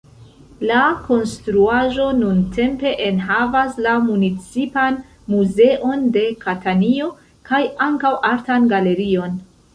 La konstruaĵo nuntempe enhavas la municipan muzeon de Katanio, kaj ankaŭ artan galerion.